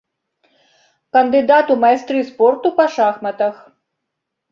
Кандыдат у майстры спорту па шахматах.